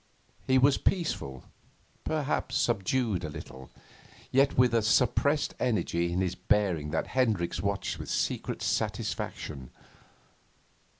He was peaceful, perhaps subdued a little, yet with a suppressed energy in his bearing that Hendricks watched with secret satisfaction.